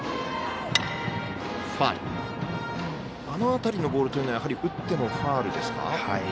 あの辺りのボールというのはやはり打ってもファウルですか。